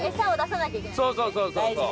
そうそうそうそう